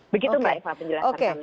begitu mbak eva penjelasan kami